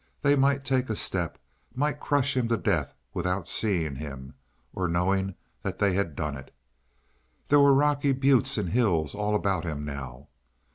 They might take a step might crush him to death without seeing him, or knowing that they had done it! There were rocky buttes and hills all about him now.